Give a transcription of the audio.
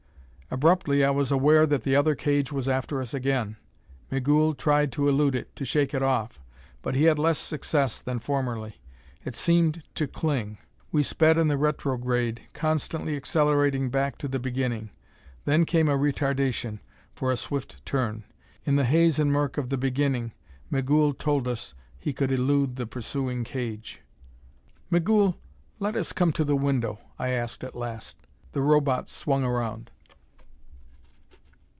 Abruptly I was aware that the other cage was after us again! Migul tried to elude it, to shake it off. But he had less success than formerly. It seemed to cling. We sped in the retrograde, constantly accelerating back to the Beginning. Then came a retardation, for a swift turn. In the haze and murk of the Beginning, Migul told us he could elude the pursuing cage. "Migul, let us come to the window," I asked at last. The Robot swung around.